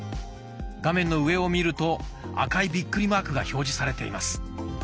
画面の上を見ると赤いビックリマークが表示されています。